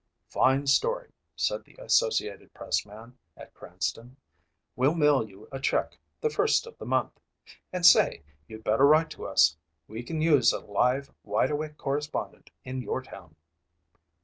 "Fine story," said the Associated Press man at Cranston. "We'll mail you a check the first of the month. And say, you'd better write to us. We can use a live, wide awake correspondent in your town."